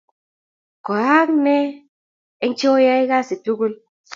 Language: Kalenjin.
Koaak nee eng' che oyae kasi tukul?